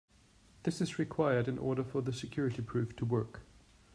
This is required in order for the security proof to work.